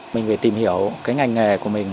mình phải tìm hiểu cái ngành nghề của mình